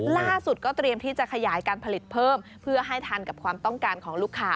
ล่าสุดก็เตรียมที่จะขยายการผลิตเพิ่มเพื่อให้ทันกับความต้องการของลูกค้า